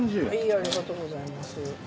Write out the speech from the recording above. ありがとうございます。